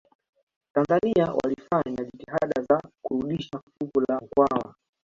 tanzania walifanya jitihada za kurudisha fuvu la mkwawa